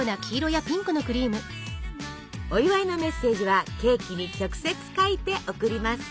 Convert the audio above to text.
お祝いのメッセージはケーキに直接書いて贈ります！